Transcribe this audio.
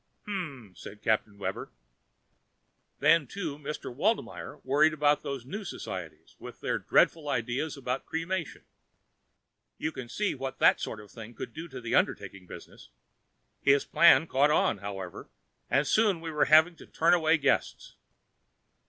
"Hmm," said Captain Webber. "Then too, Mr. Waldmeyer worried about those new societies with their dreadful ideas about cremation you can see what that sort of thing could do to the undertaking business? His plan caught on, however, and soon we were having to turn away Guests."